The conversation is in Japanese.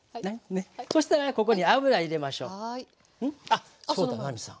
あっそうだ奈実さん。